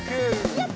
やった！